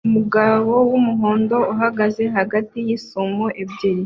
Umugabo wumuhondo uhagaze hagati yisumo ebyiri